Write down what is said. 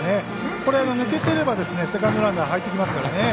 これが抜けてればセカンドランナー入ってきますからね。